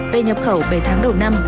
về nhập khẩu bảy tháng đầu năm